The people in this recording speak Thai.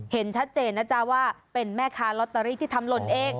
เห็นชัดเจนนะจ๊ะว่าเป็นแม่ค้าลอตเตอรี่ที่ทำหล่นเอง